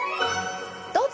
どうぞ！